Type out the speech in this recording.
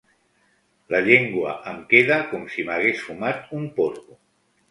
La llengua em queda com si m'hagués fumat un porro.